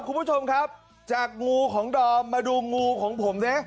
คุณผู้ชมครับจากงูของดอมมาดูงูของผมสิ